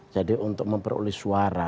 jadi untuk memperoleh suara